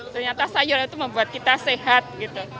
ternyata sayur itu membuat kita sehat gitu